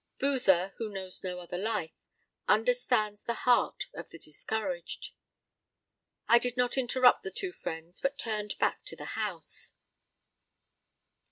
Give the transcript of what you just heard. Boozer who knows no other life understands the heart of the discouraged. I did not interrupt the two friends, but turned back to the house.